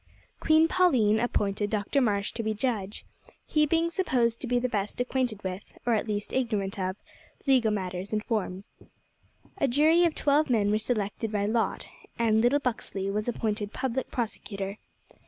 Queen Pauline appointed Dr Marsh to be judge, he being supposed to be the best acquainted with, or least ignorant of, legal matters and forms. A jury of twelve men were selected by lot, and little Buxley was appointed public prosecutor.